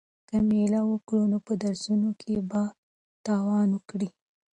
که مېله وکړې نو په درسونو کې به تاوان وکړې.